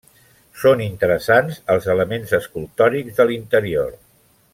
Són interessants els elements escultòrics de l'interior.